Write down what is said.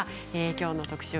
きょうの特集